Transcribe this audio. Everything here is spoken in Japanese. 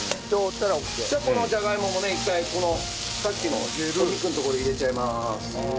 じゃあこのじゃがいももね一回このさっきのお肉のところに入れちゃいます。